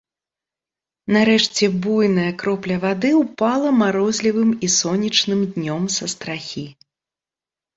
Нарэшце буйная кропля вады ўпала марозлівым і сонечным днём са страхі.